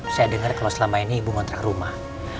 saya dengar kalau selama ini ibu ngontrak rumah